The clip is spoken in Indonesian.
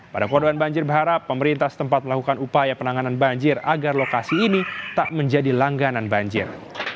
pada korban banjir berharap pemerintah setempat melakukan upaya penanganan banjir agar lokasi ini tak menjadi langganan banjir